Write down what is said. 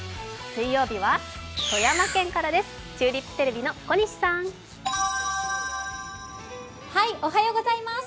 水曜日は富山県からです。